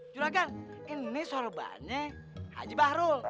juragan ini sorbannya haji bahrol